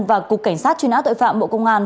và cục cảnh sát truy nã tội phạm bộ công an